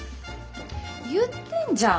言ってんじゃん